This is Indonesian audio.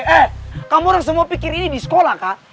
eh kamu orang semua pikir ini di sekolah kak